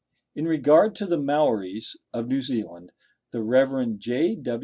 In regard to the Maoris of New Zealand, the Rev. J.